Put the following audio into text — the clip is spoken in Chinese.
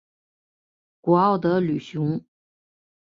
古奥德吕雄。